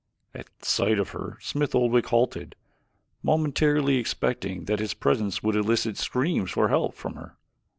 At sight of her Smith Oldwick halted, momentarily expecting that his presence would elicit screams for help from her.